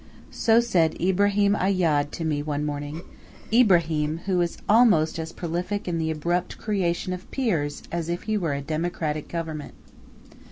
So said Ibrahim Ayyad to me one morning Ibrahim, who is almost as prolific in the abrupt creation of peers as if he were a democratic government.